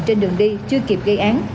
trên đường đi chưa kịp gây án